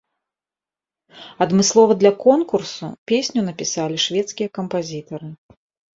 Адмыслова для конкурсу песню напісалі шведскія кампазітары.